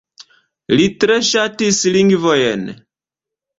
Li tre ŝatis lingvojn.